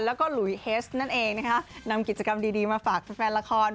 แล้วก็หลุยเฮสนั่นเองนะคะนำกิจกรรมดีมาฝากแฟนละคร